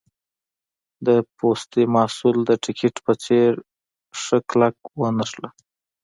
د پوستي محصول د ټیکټ په څېر شه کلک ونښله.